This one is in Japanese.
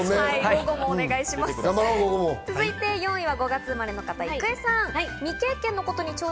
４位は５月生まれの方、郁恵さん。